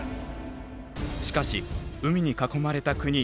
しかし海に囲まれた国